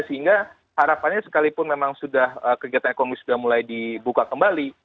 sehingga harapannya sekalipun memang sudah kegiatan ekonomi sudah mulai dibuka kembali